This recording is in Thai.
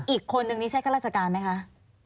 อีกคนนึงนี่ใช่ข้าราชการไหมคะ